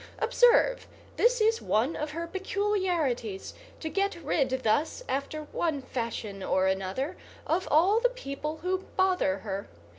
Observe, this is one of her peculiarities, to get rid thus, after one fashion or another, of all the people who bother her.